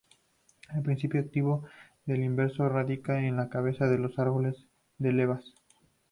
El principio activo del invento radica en las cabezas de los árboles de levas.